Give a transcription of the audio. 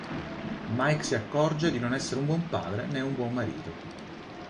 Mike si accorge di non essere un buon padre né un buon marito.